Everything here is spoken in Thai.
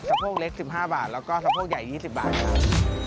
โพกเล็ก๑๕บาทแล้วก็สะโพกใหญ่๒๐บาทครับ